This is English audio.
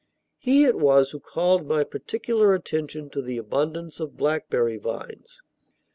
He it was who called my particular attention to the abundance of blackberry vines.